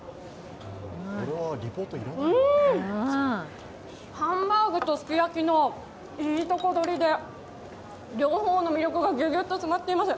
うーん、ハンバーグとすき焼きのいいとこどりで、両方の魅力がギュギュッと詰まっています。